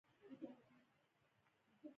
ژبه د عدل او انصاف تبلیغ کوي